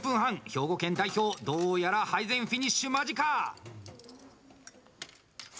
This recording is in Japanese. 兵庫県代表、どうやら配膳フィニッシュ間近。